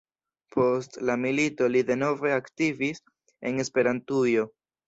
Post la milito li denove aktivis en Esperantujo.